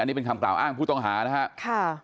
นี่เป็นคำกล่าวอ้างผู้ต้องหานะครับ